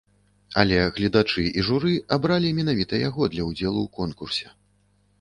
Але гледачы і журы абралі менавіта яго для ўдзелу ў конкурсе.